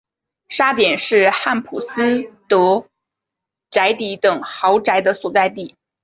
沙点是汉普斯德宅邸等豪宅的所在地。